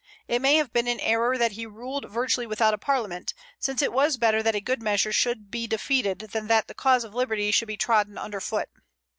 It may have been an error that he ruled virtually without a Parliament, since it was better that a good measure should be defeated than that the cause of liberty should be trodden under foot.